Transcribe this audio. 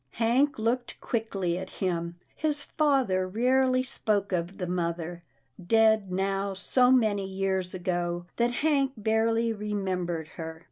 Hank looked quickly at him. His father rarely spoke of the mother, dead now so many years ago that Hank barely remembered her.